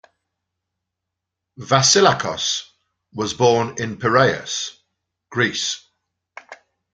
Vasilakos was born in Piraeus, Greece.